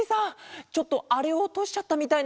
ちょっとあれをおとしちゃったみたいなんですけど。